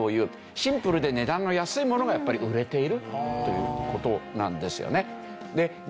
シンプルで値段が安いものがやっぱり売れているという事なんですよね。